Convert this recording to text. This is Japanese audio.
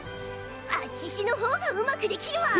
あちしのほうがうまくできるわ！